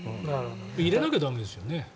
入れなきゃ駄目ですよね。